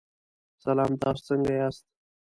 سلام، تاسو څنګه یاست؟